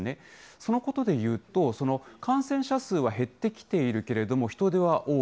そのことで言うと、感染者数は減ってきているけれども、人出は多い。